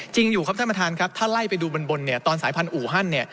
อยู่ครับท่านประธานครับถ้าไล่ไปดูบนเนี่ยตอนสายพันธุฮันเนี่ย